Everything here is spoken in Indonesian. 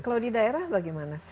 kalau di daerah bagaimana